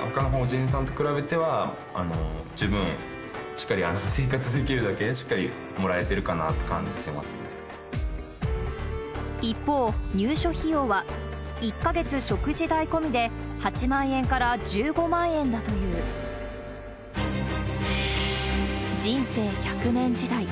ほかの法人さんと比べては、十分しっかり生活できるだけ、しっかりもらえてるかなと感じてい一方、入所費用は、１か月食事代込みで８万円から１５万円だという。人生１００年時代。